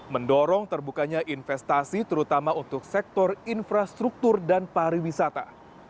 mendorong terbukanya investasi terutama untuk sektor infrastruktur dan pariwisata